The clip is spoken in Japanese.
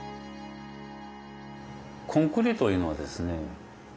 コンクリートいうのはですね